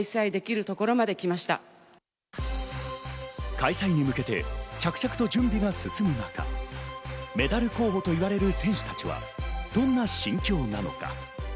開催に向けて着々と準備が進む中、メダル候補と言われる選手たちは、どんな心境なのか。